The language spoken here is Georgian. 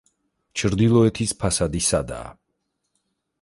ჩრდილოეთის ფასადი სადაა.